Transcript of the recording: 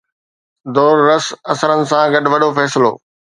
دور رس اثرن سان گڏ وڏو فيصلو.